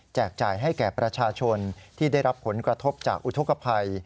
จ่ายให้แก่ประชาชนที่ได้รับผลกระทบจากอุทธกภัย